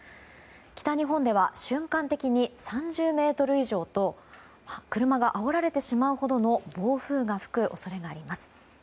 北日本では瞬間的に３０メートル以上と車があおられてしまうほどの暴風が吹く恐れがあります。